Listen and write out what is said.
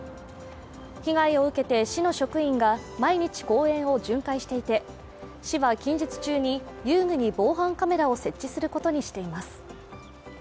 被害を受けて市の職員が毎日公園を巡回していて市は近日中に遊具に防犯カメラを設置することにしています。